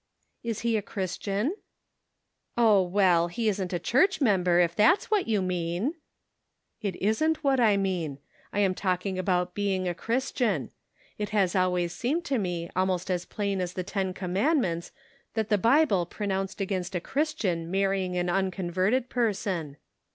"Is he a Christian?" "Yet Lackest Thou ." 161 " Oh, well, he isn't a church member, if that is what you mean." " It isn't what I mean. I am talking about being a Christian. It has always seemed to me almost as plain as the ten commandments that the Bible pronounced against a Christian marrying an unconverted person."